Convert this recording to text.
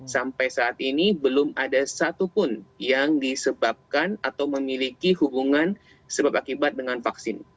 sampai saat ini belum ada satupun yang disebabkan atau memiliki hubungan sebab akibat dengan vaksin